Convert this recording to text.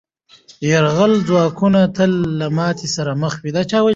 یرغلګر ځواکونه تل له ماتې سره مخ کېږي.